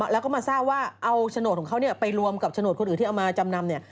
แล้วก็มาทราบว่าเอาโฉนดของเขาไปรวมกับโฉนดคนอื่นที่เอามาจำนำเนี่ย